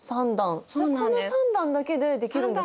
この３段だけでできるんですね？